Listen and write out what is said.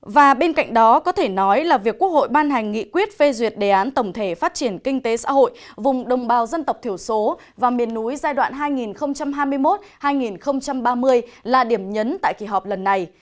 và bên cạnh đó có thể nói là việc quốc hội ban hành nghị quyết phê duyệt đề án tổng thể phát triển kinh tế xã hội vùng đồng bào dân tộc thiểu số và miền núi giai đoạn hai nghìn hai mươi một hai nghìn ba mươi là điểm nhấn tại kỳ họp lần này